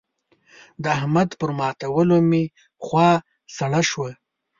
د احمد پر ماتولو مې خوا سړه شوه.